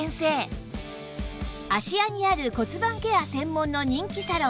芦屋にある骨盤ケア専門の人気サロン